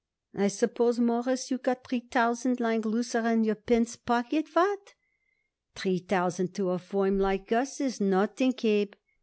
"I suppose, Mawruss, you got three thousand lying loose around your pants' pocket. What?" "Three thousand to a firm like us is nothing, Abe.